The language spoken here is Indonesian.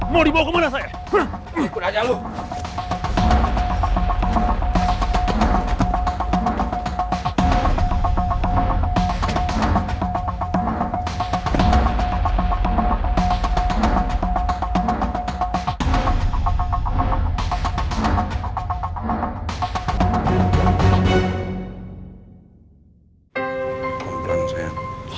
mau dibawa ke mana saya